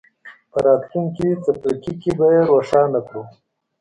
په راتلونکي څپرکي کې به یې روښانه کړو.